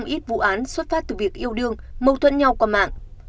ít vụ án xuất phát từ việc yêu đương mâu thuẫn nhau qua mạng